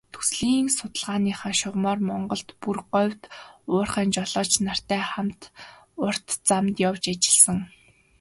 Төслийн судалгааныхаа шугамаар Монголд, бүр говьд уурхайн жолооч нартай хамт урт замд явж ажилласан.